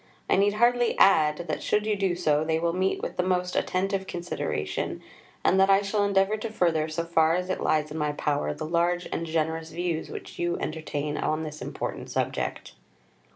I need hardly add that, should you do so, they will meet with the most attentive consideration, and that I shall endeavour to further, so far as it lies in my power, the large and generous views which you entertain on this important subject."